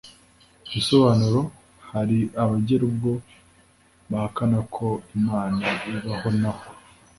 ibisobanuro hari abagera ubwo bahakana ko Imana ibaho na ho